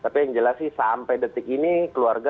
tapi yang jelas sih sampai detik ini keluarga